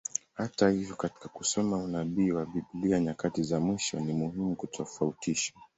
Hata hivyo, katika kusoma unabii wa Biblia nyakati za mwisho, ni muhimu kutofautisha.